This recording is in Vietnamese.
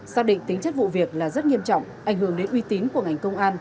xác định tính chất vụ việc là rất nghiêm trọng ảnh hưởng đến uy tín của ngành công an